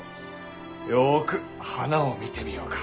よく花を見てみようか。